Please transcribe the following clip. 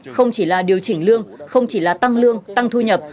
không chỉ là điều chỉnh lương không chỉ là tăng lương tăng thu nhập